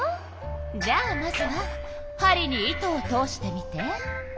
じゃあまずは針に糸を通してみて。